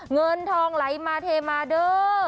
เงินทองไหลมาเทมาเด้อ